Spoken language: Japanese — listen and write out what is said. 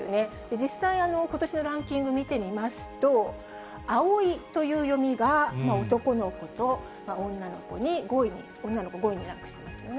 実際、ことしのランキング見てみますと、あおいという読みは男の子と女の子に、女の子、５位にランクしてますよね。